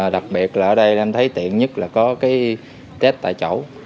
đặc biệt là ở đây em thấy tiện nhất là có cái tết tại chỗ